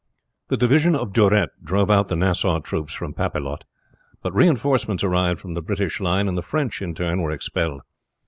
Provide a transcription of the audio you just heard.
The division of Durette drove out the Nassau troops from Papelotte; but reinforcements arrived from the British line, and the French in turn were expelled.